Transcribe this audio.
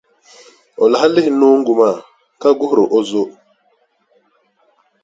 O lahi lihi noongu maa ka guhiri o zo.